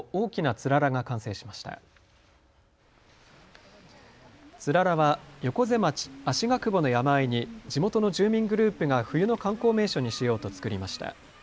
つららは横瀬町芦ヶ久保の山あいに地元の住民グループが冬の観光名所にしようと作りました。